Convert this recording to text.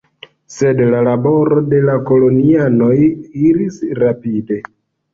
Sed la laboro de la kolonianoj iris pli rapide.